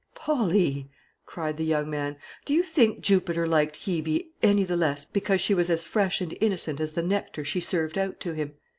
"Polly," cried the young man, "do you think Jupiter liked Hebe any the less because she was as fresh and innocent as the nectar she served out to him?